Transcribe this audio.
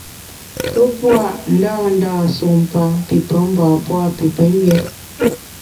Pe pua’ ndândâ sumpa pi pemgbié ne pi pemba.